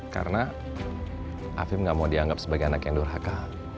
karena afif gak mau dianggap sebagai anak yang durhaka